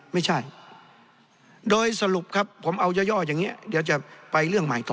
ไม่ใช่โดยสรุปครับผมเอาย่ออย่างนี้เดี๋ยวจะไปเรื่องใหม่ต่อ